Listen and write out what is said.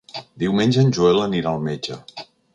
Diumenge en Joel anirà al metge.